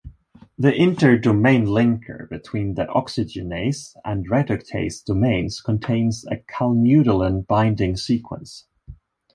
The interdomain linker between the oxygenase and reductase domains contains a calmodulin-binding sequence.